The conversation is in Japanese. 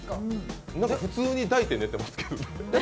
普通に抱いて寝てますけどね。